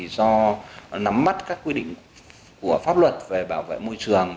do nắm mắt các quy định của pháp luật về bảo vệ môi trường